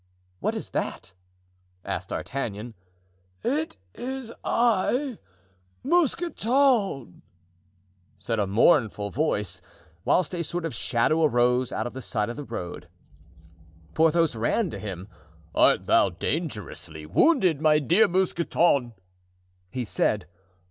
"What is that?" asked D'Artagnan. "It is I—Mousqueton," said a mournful voice, whilst a sort of shadow arose out of the side of the road. Porthos ran to him. "Art thou dangerously wounded, my dear Mousqueton?" he said.